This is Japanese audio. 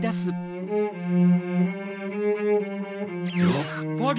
やっぱり